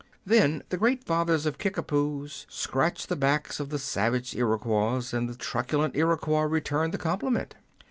Then the great fathers of Kickapoos scratched the backs of the savage Iroquois, and the truculent Iroquois returned the compliment.